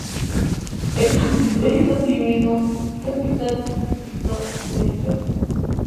Es asimismo capital del distrito de El Carmen.